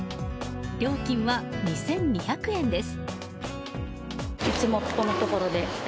料金は２２００円です。